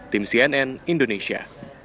tim cnn indonesia